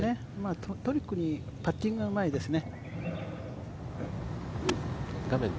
とにかくパッティングがうまいですね。